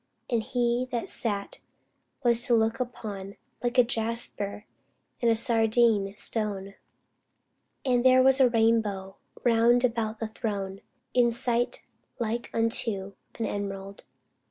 And he that sat was to look upon like a jasper and a sardine stone: and there was a rainbow round about the throne, in sight like unto an emerald.